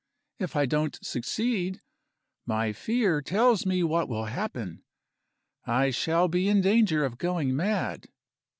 If I don't succeed, my fear tells me what will happen. I shall be in danger of going mad.